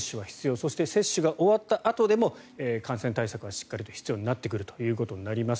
そして、接種が終わったあとでも感染対策はしっかりと必要になってくるということになります。